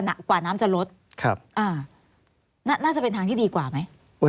กว่าน้ำจะลดน่าจะเป็นทางที่ดีกว่าไหม